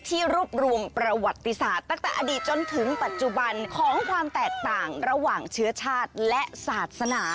ที่รวบรวมประวัติศาสตร์ตั้งแต่อดีตจนถึงปัจจุบันของความแตกต่างระหว่างเชื้อชาติและศาสนา